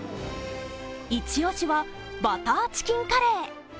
イチオシは、バターキチンカレー。